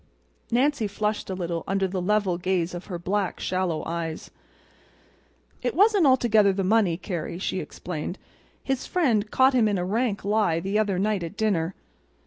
Nancy flushed a little under the level gaze of the black, shallow eyes. "It wasn't altogether the money, Carrie," she explained. "His friend caught him in a rank lie the other night at dinner.